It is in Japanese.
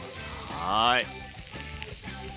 はい！